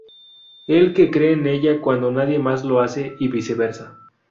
Él que cree en ella cuando nadie más lo hace y viceversa.